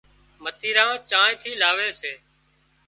متيران چانئين ٿِي لاوي سي